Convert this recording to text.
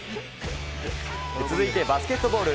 続いてバスケットボール。